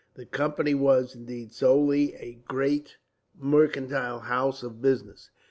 The Company was, indeed, solely a great mercantile house of business.